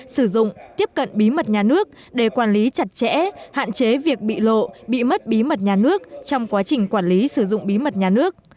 sử dụng tiếp cận bí mật nhà nước để quản lý chặt chẽ hạn chế việc bị lộ bị mất bí mật nhà nước trong quá trình quản lý sử dụng bí mật nhà nước